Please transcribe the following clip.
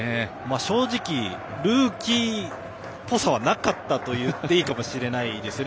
正直、ルーキーっぽさはなかったと言っていいかもしれませんね。